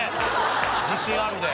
「自信ある」で。